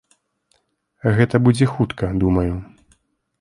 Гэта будзе хутка, думаю.